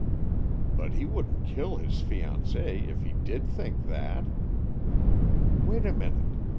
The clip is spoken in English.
"But he wouldn't kill his fiancée, if he did think that!" "Wait a minute.